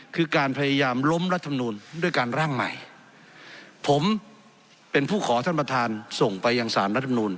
คือการพยายามล้มรัฐมนูลด้วยการร่างใหม่ผมเป็นผู้ขอท่านประธานส่งไปยังสารรัฐมนูล